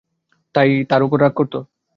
তাই তার উপর রাগ করতে।